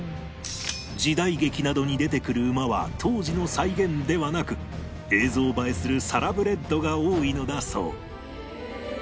時代劇などに出てくる馬は当時の再現ではなく映像映えするサラブレッドが多いのだそう